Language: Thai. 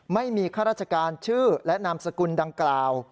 ข้าราชการชื่อและนามสกุลดังกล่าว